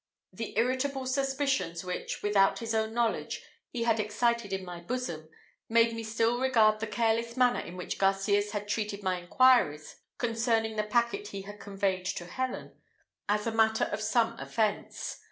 The irritable suspicions which, without his own knowledge, he had excited in my bosom, made me still regard the careless manner in which Garcias had treated my inquiries concerning the packet he had conveyed to Helen, as matter of some offence.